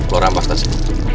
lo rampas tasnya